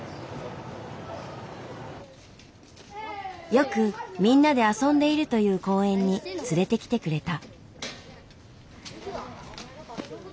よくみんなで遊んでいるという公園に連れてきてくれた。